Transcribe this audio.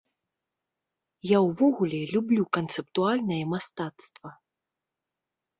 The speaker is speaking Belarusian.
Я ўвогуле люблю канцэптуальнае мастацтва.